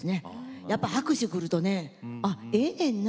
やっぱ拍手くるとねあええねんな